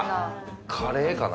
カレーかな？